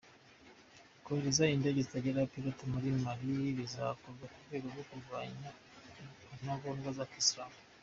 Kohereza indege zitagira abapilote muri Mali bizakorwa mu rwego rwo kurwanya intagondwa z’Abayisilamu.